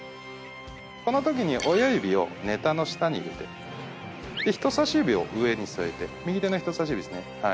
このときに親指をネタの下に入れて人さし指を上に添えて右手の人さし指ですね。